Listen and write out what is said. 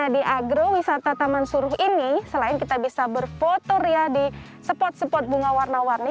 di agrowisata taman suruh ini selain kita bisa berfoto di spot spot bunga warna warni